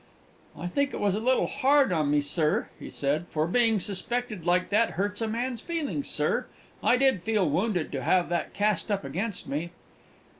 "I think it was a little hard on me, sir," he said; "for being suspected like that hurts a man's feelings, sir. I did feel wounded to have that cast up against me!"